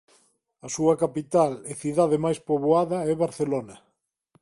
A súa capital e cidade máis poboada é Barcelona.